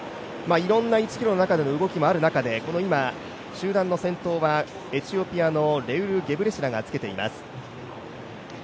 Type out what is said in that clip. いろんな１ｋｍの中の動きもある中で集団の先頭はエチオピアのレウル・ゲブレシラセがつけています。